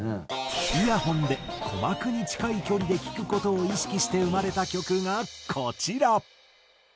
イヤフォンで鼓膜に近い距離で聴く事を意識して生まれた曲がこちら。